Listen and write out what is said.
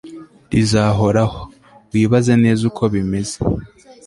rizahoraho. wibaze neza uko bimeze